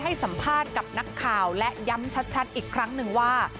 ให้สัมภาษณ์กับนักข่าวและย้ำชัดอีกครั้งหนึ่งว่า